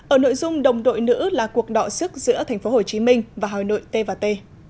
ở nội dung đồng đội nữ là cuộc đọa sức giữa tp hcm và hà nội t và t